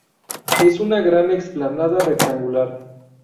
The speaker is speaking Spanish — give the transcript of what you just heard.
Es una gran explanada rectangular.